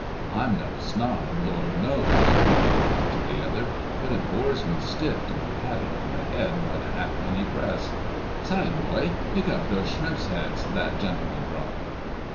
"I'm no snob, Lord knows," he confided to the other, "but it bores me stiff to be patted on the head by the halfpenny press— Sideboy! pick up those shrimps' heads that gentleman dropped."